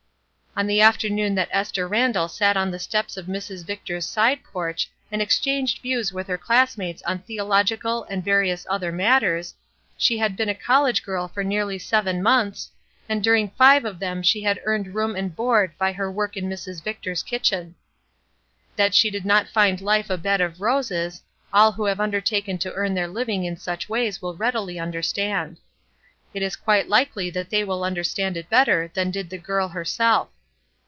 On the afternoon that Esther Randall sat A REBEL 63 on the steps of Mrs. Victor's side porch and exchanged views with her classmates on theo logical and various other matters, she had been a college girl for nearly seven months, and during five of them she had earned room and board by her work in Mrs. Victor's kitchen. That she did not find Ufe a bed of roses, all who have undertaken to earn their living in such ways will readily understand. It is quite Ukely that they will understand it better than did the girl herself.